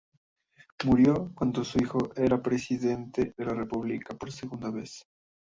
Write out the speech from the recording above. Murió cuando su hijo era presidente de la República por segunda vez.